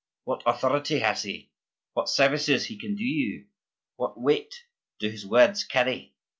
What authority has he? What services can he do you? What weight do his words carry?